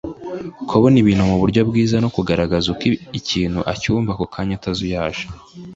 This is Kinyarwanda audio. kubona ibintu mu buryo bwiza no kugaragaza uko ikintu acyumva ako kanya atazuyaje